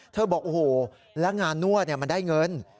บอกโอ้โหแล้วงานนวดมันได้เงิน